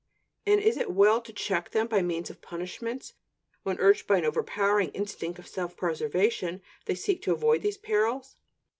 And is it well to check them by means of punishments, when, urged by an overpowering instinct of self preservation, they seek to avoid these perils?